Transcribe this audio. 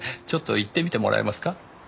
ちょっと言ってみてもらえますか？